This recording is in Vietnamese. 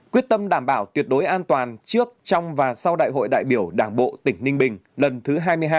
quyết tâm đảm bảo tuyệt đối an toàn trước trong và sau đại hội đại biểu đảng bộ tỉnh ninh bình lần thứ hai mươi hai